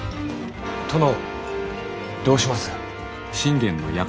殿どうします？